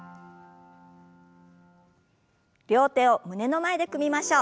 両手を胸の前で組みましょう。